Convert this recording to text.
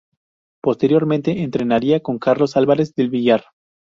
Posteriormente entrenaría con Carlos Álvarez del Villar.